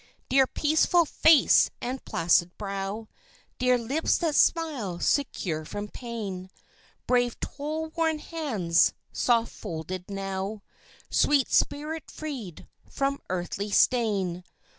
Dear peaceful face and placid brow, Dear lips that smile secure from pain, Brave toil worn hands, soft folded now, Sweet spirit freed from earthly stain.